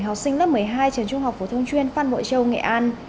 học sinh lớp một mươi hai trường trung học phổ thông chuyên phan bội châu nghệ an